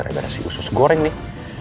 gara gara si usus goreng nih